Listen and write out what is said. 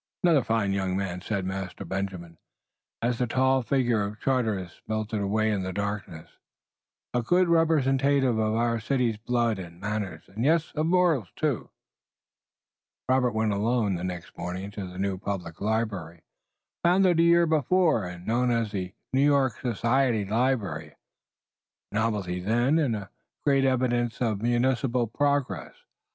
"Another fine young man," said Master Benjamin, as the tall figure of Charteris melted away in the darkness. "A good representative of our city's best blood and manners, and yes, of morals, too." Robert went alone the next morning to the new public library, founded the year before and known as the New York Society Library, a novelty then and a great evidence of municipal progress.